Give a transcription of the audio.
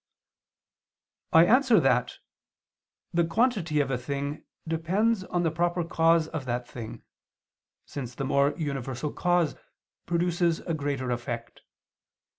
I answer that, The quantity of a thing depends on the proper cause of that thing, since the more universal cause produces a greater effect.